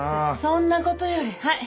そんな事よりはい。